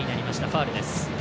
ファウルです。